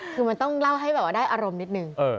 คือมันต้องเล่าให้แบบว่าได้อารมณ์นิดนึง